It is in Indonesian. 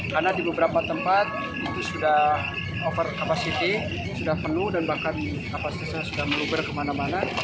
karena di beberapa tempat itu sudah over capacity sudah penuh dan bahkan kapasitasnya sudah melubur kemana mana